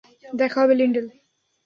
দেখা হবে, লিন্ডেন।